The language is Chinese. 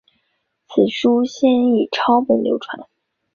此书先以抄本流传。